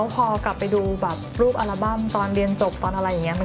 พอกลับไปดูแบบรูปอัลบั้มตอนเรียนจบตอนอะไรอย่างนี้